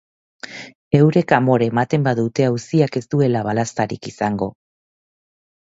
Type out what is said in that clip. Eurek amore ematen badute, auziak ez duela balaztarik izango.